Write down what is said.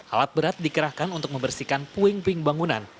alat berat dikerahkan untuk membersihkan puing puing bangunan